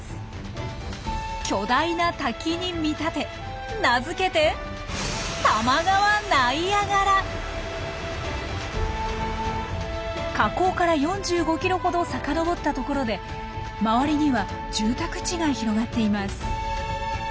巨大な滝に見立て名付けて河口から４５キロほどさかのぼった所で周りには住宅地が広がっています。